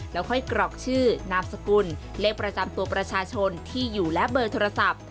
แล้วค่อยกรอกชื่อนามสกุลเลขประจำตัวประชาชนที่อยู่และเบอร์โทรศัพท์